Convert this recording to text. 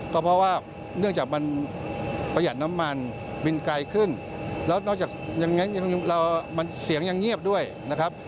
ก็เพราะว่าเนื่องจากมันประหยัดน้ำมันบินไกลขึ้นแล้วนอกจากเสียงยังเงียบด้วยนะครับ